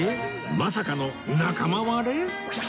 まさかの仲間割れ！？